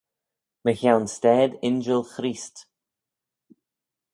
Mychione stayd injil Chreest.